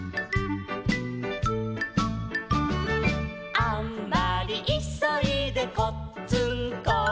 「あんまりいそいでこっつんこ」